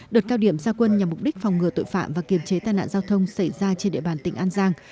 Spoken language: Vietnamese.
đợt cao điểm gia quân nhằm mục đích phòng ngừa tội phạm và kiềm chế tai nạn giao thông xảy ra trên địa bàn tỉnh an giang